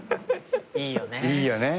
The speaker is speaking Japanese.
いいよね。